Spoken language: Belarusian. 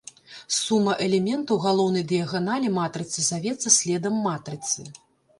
Сума элементаў галоўнай дыяганалі матрыцы завецца следам матрыцы.